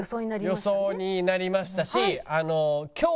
予想になりましたし。